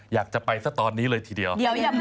อยากจะไปซะตอนนี้เลยทีเดียว